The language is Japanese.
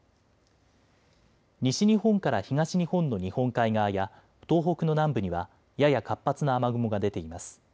西日本から東日本の日本海側や東北の南部にはやや活発な雨雲が出ています。